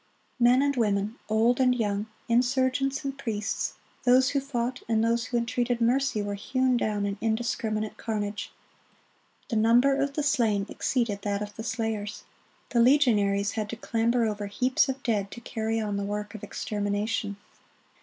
Men and women, old and young, insurgents and priests, those who fought and those who entreated mercy, were hewn down in indiscriminate carnage. The number of the slain exceeded that of the slayers. The legionaries had to clamber over heaps of dead to carry on the work of extermination."